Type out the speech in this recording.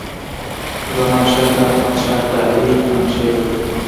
زمانشاه د احمدشاه ابدالي نقشې لري.